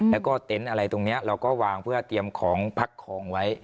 แล้วก็เต็นต์อะไรตรงนี้เราก็วางเพื่อเตรียมของพักของไว้